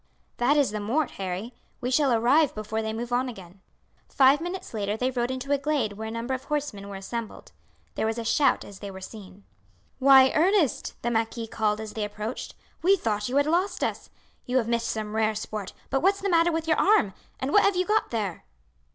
"That is the mort, Harry. We shall arrive before they move on again." Five minutes later they rode into a glade where a number of horsemen were assembled. There was a shout as they were seen. "Why, Ernest," the marquis called as they approached, "we thought you had lost us. You have missed some rare sport; but what's the matter with your arm, and what have you got there?"